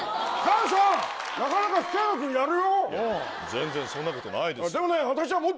全然そんなことないですよ。